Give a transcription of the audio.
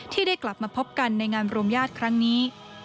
ที่ได้กลับมาพบกันในงานรวมญาติครั้งนี้